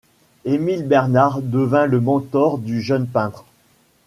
Émile Bernard devint le mentor du jeune peintre.